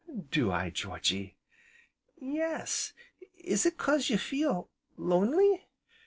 "Do I, Georgy?" "Yes, is it 'cause you feel lonely?"